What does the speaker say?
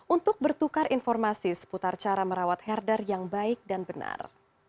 untuk bertukar informasi seputar cara merawat herder yang baik dan benar